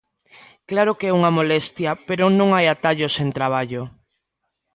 Claro que é unha molestia, pero non hai atallo sen traballo.